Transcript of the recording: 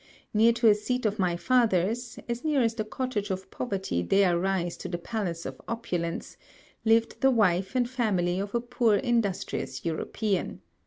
Near to a seat of my father's, as near as the cottage of poverty dare rise to the palace of opulence, lived the wife and family of a poor industrious European.